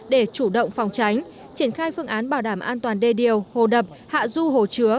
để chủ động phòng tránh triển khai phương án bảo đảm an toàn đê điều hồ đập hạ du hồ chứa